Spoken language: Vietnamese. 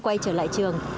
quay trở lại trường